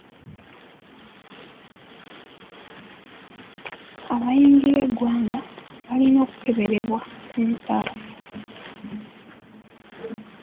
Abayingira eggwanga balina okukeberebwa ku nsalo.